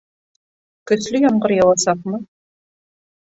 Көслө ямғыр яуасаҡмы?